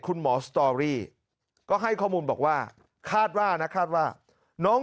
สตอรี่ก็ให้ข้อมูลบอกว่าคาดว่านะคาดว่าน้อง